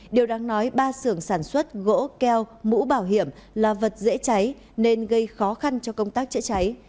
điều đáng nói ba xưởng sản xuất gỗ keo mũ bảo hiểm là vật dễ cháy nên gây khó khăn cho công tác chữa cháy